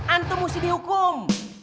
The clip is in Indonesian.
antum mesti dihukum